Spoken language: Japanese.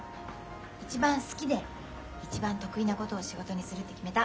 一番好きで一番得意なことを仕事にするって決めた。